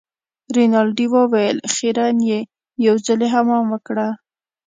رینالډي وویل خیرن يې یو ځلي حمام وکړه.